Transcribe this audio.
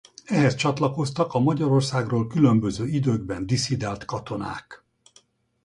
Ehhez csatlakoztak a Magyarországról különböző időkben disszidált katonák.